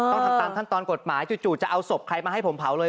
ต้องทำตามขั้นตอนกฎหมายจู่จะเอาศพใครมาให้ผมเผาเลย